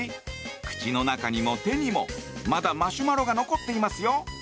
口の中にも手にも、まだマシュマロが残っていますよ！